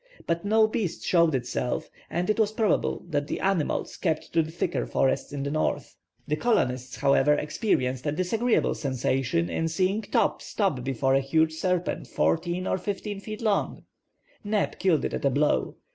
But no beast showed itself, and it was probable that the animals kept to the thicker forests in the south. The colonists, however, experienced a disagreeable sensation in seeing Top stop before a huge serpent 14 or 15 feet long. Neb killed it at a blow.